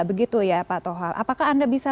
begitu ya pak toha apakah anda bisa